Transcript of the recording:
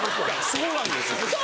そうなんですよ！